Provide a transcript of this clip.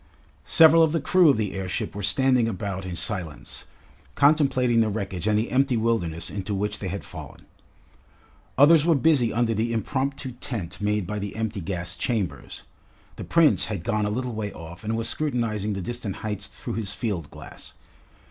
Several of the crew of the airship were standing about in silence, contemplating the wreckage and the empty wilderness into which they had fallen. Others were busy under the imromptu tent made by the empty gas chambers. The Prince had gone a little way off and was scrutinising the distant heights through his field glass.